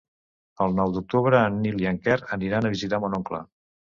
El nou d'octubre en Nil i en Quer aniran a visitar mon oncle.